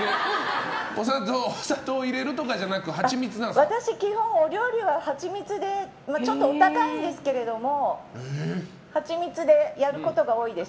お砂糖を入れるとかじゃなくて私、基本、お料理はちょっとお高いんですけどハチミツでやることが多いです。